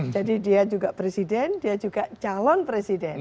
jadi dia juga presiden dia juga calon presiden